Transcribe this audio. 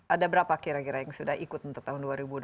ada berapa kira kira yang sudah ikut untuk tahun dua ribu dua puluh